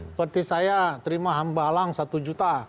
seperti saya terima hamba lang satu juta